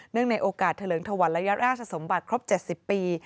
เนื่องในโอกาสเถลงถวันและย้ายราชสมบัติครบ๗๐ปี